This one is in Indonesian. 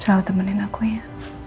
selalu temenin aku ya